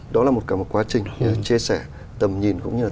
đó là một cả một quá trình chia sẻ tầm nhìn cũng như là